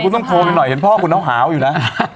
คุณต้องโทรไปหน่อยเห็นพ่อคุณเอาหาวอยู่นะ